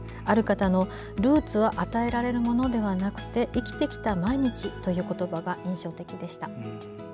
ある方の「ルーツは与えられるものではなくて生きてきた毎日」という言葉が印象的でした。